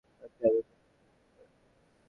কয়েকটি অঙ্গ কেটে দূরে নিক্ষেপ করে।